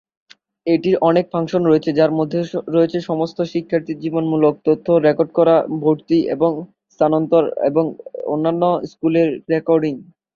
এটির অনেক ফাংশন রয়েছে, যার মধ্যে রয়েছে সমস্ত শিক্ষার্থীর জীবনীমূলক তথ্য রেকর্ড করা, ভর্তি, এবং স্থানান্তর এবং অন্যান্য স্কুলে রেকর্ডিং।